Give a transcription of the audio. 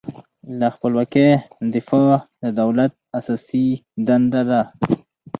له خپلواکۍ دفاع د دولت اساسي دنده ده.